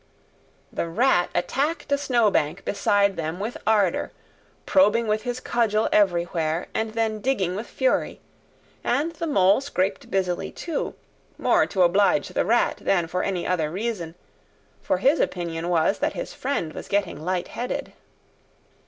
The Rat attacked a snow bank beside them with ardour, probing with his cudgel everywhere and then digging with fury; and the Mole scraped busily too, more to oblige the Rat than for any other reason, for his opinion was that his friend was getting light headed.